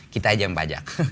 kita aja yang pajak